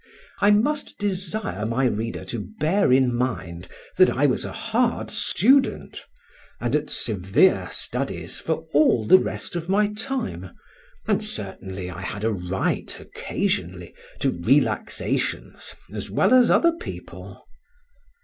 I must desire my reader to bear in mind that I was a hard student, and at severe studies for all the rest of my time; and certainly I had a right occasionally to relaxations as well as other people.